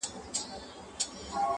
دا خو ددې لپاره _